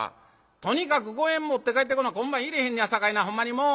とにかく五円持って帰ってこな今晩入れへんのやさかいなほんまにもう！